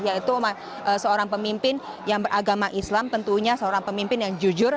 yaitu seorang pemimpin yang beragama islam tentunya seorang pemimpin yang jujur